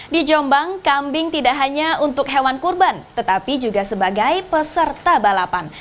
di jombang kambing tidak hanya untuk hewan kurban tetapi juga sebagai peserta balapan